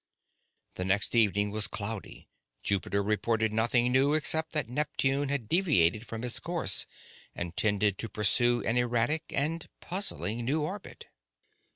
The next evening was cloudy. Jupiter reported nothing new except that Neptune had deviated from its course and tended to pursue an erratic and puzzling new orbit.